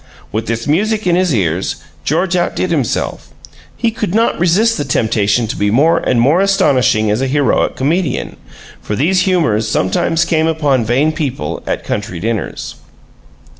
With this music in his ears, George outdid himself. He could not resist the temptation to be more and more astonishing as a heroic comedian, for these humors sometimes come upon vain people at country dinners.